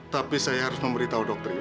tapi saya harus memberitahu dokter ini